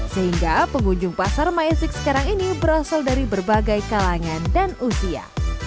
sehingga pengunjung pasar majesik sekarang ini berasal dari berbagai kalangan dan usia